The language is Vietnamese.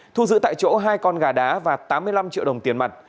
thu giữ tại chỗ hai con gà đá và tám mươi năm triệu đồng tiền mặt